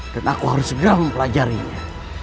dan aku harus segera mempelajarinya